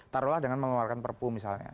taruhlah dengan mengeluarkan perpu misalnya